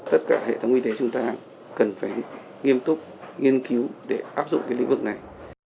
tất cả hệ thống y tế chúng ta cần phải nghiêm túc nghiên cứu để áp dụng cái lĩnh vực này